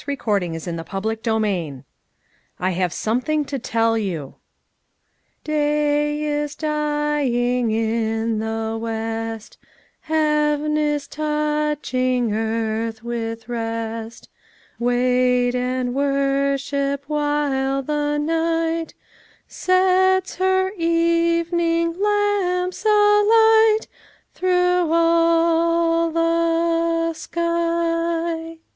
CHAPTER XXVI "i HAVE SOMETHING TO TELL YOTJ M "Day is dying in the west, Heaven is touching earth with rest; Wait, and worship, while the night Sets her evening lamps alight Through all the sky."